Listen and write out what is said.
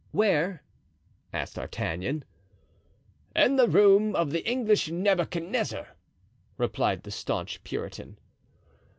"Where?" asked D'Artagnan. "In the room of the English Nebuchadnezzar," replied the staunch Puritan.